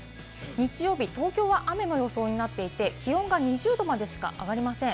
日曜日東京は雨の予想になってて、気温が２０℃までしか上がりません。